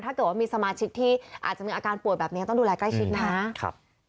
ถ้าเกิดว่ามีสมาชิกที่อาจจะมีอาการป่วยแบบนี้ต้องดูแลใกล้ชิดนะครับ